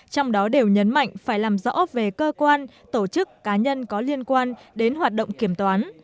trong đó đều nhấn mạnh phải làm rõ về cơ quan tổ chức cá nhân có liên quan đến hoạt động kiểm toán